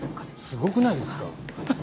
すごくないですか？